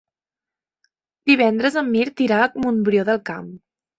Divendres en Mirt irà a Montbrió del Camp.